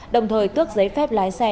đồng thời tước giấy phép lái xe